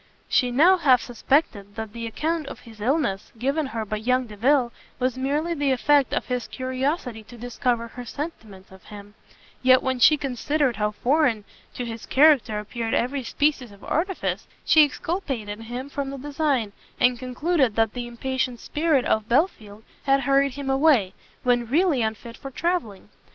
She now half suspected that the account of his illness given her by young Delvile, was merely the effect of his curiosity to discover her sentiments of him; yet when she considered how foreign to his character appeared every species of artifice, she exculpated him from the design, and concluded that the impatient spirit of Belfield had hurried him away, when really unfit for travelling.